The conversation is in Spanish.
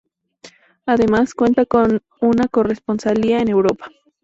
Además, cuenta con una corresponsalía en Europa.